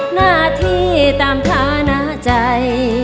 หน้าที่ตามฐานะใจ